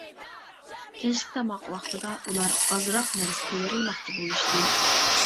كەچلىك تاماق ۋاقتىدا ئۇلار ئازراق نەرسە تەييارلىماقچى بولۇشتى.